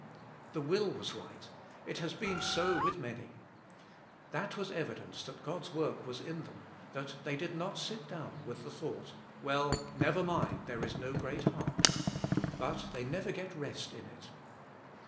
The will was right, it has been so with many. That was evidence that God's work was in them, that they did not sit down with the thought, "Well, never mind, there is no great harm." But they never get rest in it.